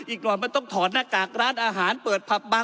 อีกก่อนมันต้องถอดหน้ากากร้านอาหารเปิดผับบาน